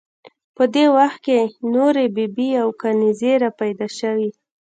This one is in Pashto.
په دې وخت کې نورې بي بي او کنیزې را پیدا شوې.